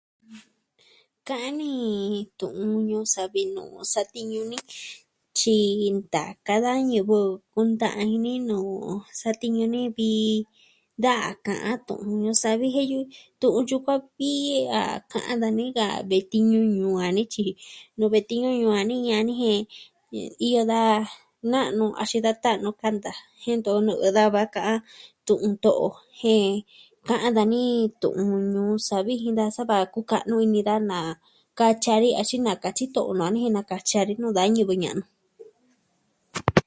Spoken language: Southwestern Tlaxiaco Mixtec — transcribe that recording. Ka'an ni tu'un ñuu savi nuu satiñu ni tyi ntaka da ñivɨ kunta'an ini nuu satiñu ni vi daa ka'an tu'un ñuu savi jen yu tu'un yukuan vi a ka'an dani ka vi tiñu ñuu ve'i tiñu yu a ni jen iyo da na'nu axin da ta'nu kanta ke ntu nɨ'ɨ da va ka'an tu'un to'o jen ka'an dani tu'un ñuu savi jin da sava kuka'nu ini daa na katyi a ni axin na katyi to'o maa ni jen nakatyi a ni da ñivɨ ña'nu.